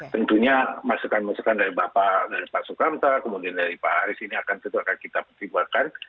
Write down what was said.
tentunya masukan masukan dari bapak dari pak soekarno tarik kemudian dari pak haris ini akan kita perbuatkan